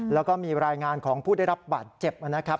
แล้วก็มีรายงานของผู้ได้รับบาดเจ็บนะครับ